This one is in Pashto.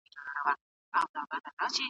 یو کیلو غوړ نژدې اوه زره کالوري لري.